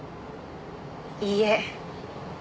いいえ。